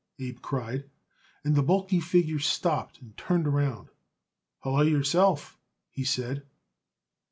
Abe cried, and the bulky figure stopped and turned around. "Hallo yourself!" he said.